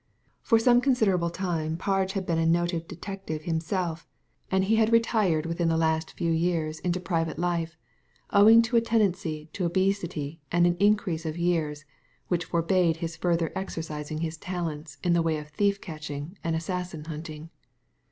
For some con siderable time Parge had been a noted detective himself, and he had retired within the last few years 4S Digitized by Google 46 THE LADY FROM NOWHERE into private life, owing to a tendency to obesity and an increase of years which forbade his further exer« cising his talents in the way of thief catching and assassin hunting.